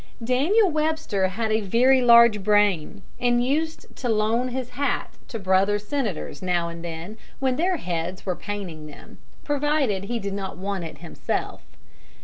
Daniel Webster had a very large brain, and used to loan his hat to brother Senators now and then when their heads were paining them, provided he did not want it himself.